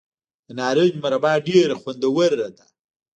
د نارنج مربا ډیره خوندوره ده.